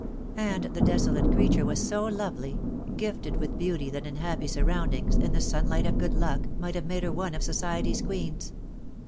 And the desolate creature was so lovely, gifted with beauty that in happy surroundings, in the sunlight of good luck, might have made her one of society's queens.